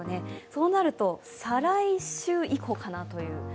そうなると再来週以降かなという。